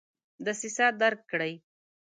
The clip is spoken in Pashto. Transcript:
دسیسه درک کړي.